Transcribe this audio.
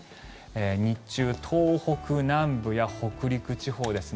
日中、東北南部や北陸地方ですね